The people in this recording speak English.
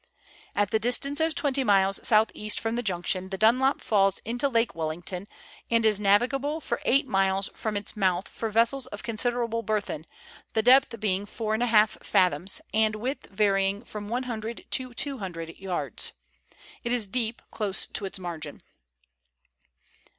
At the distance of twenty miles south east from the junction, the Dunlop falls into Lake Wellington, and is navigable for eight miles from its mouth for vessels of considerable burthen, the depth being 4^ fathoms, and width varying from 100 to 200 yards. It is deep close to its margin.